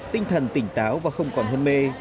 tinh thần tỉnh táo và không còn hôn mê